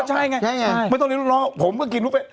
ก็ใช่ไงไม่ต้องเลี้ยงลูกน้องผมก็กินบุฟเฟ่